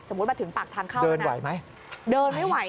สมมุติมาถึงปากทางเข้าเดินไหวไหม